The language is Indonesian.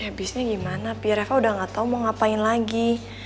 abisnya gimana pi reva udah gak tau mau ngapain lagi